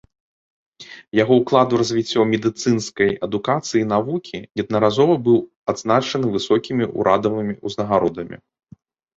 Яго ўклад у развіццё медыцынскай адукацыі і навукі неаднаразова быў адзначаны высокімі ўрадавымі ўзнагародамі.